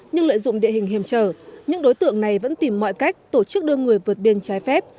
nhưng lợi dụng địa hình hiểm trở những đối tượng này vẫn tìm mọi cách tổ chức đưa người vượt biên trái phép